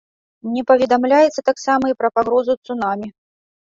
Не паведамляецца таксама і пра пагрозу цунамі.